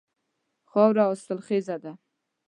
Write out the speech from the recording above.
خاوره حاصل خیزه ده.